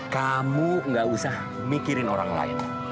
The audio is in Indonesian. kamu gak usah mikirin orang lain